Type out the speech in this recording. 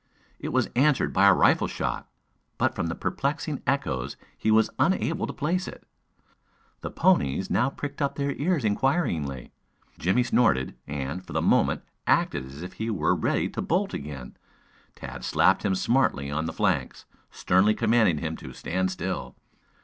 It was answered by a rifle shot, but from the perplexing echoes he was unable to place it. The ponies now pricked up their ears inquiringly. Jimmie snorted, and, for the moment, acted as if he were ready to bolt again. Tad slapped him smartly on the flanks, sternly commanding him to stand still.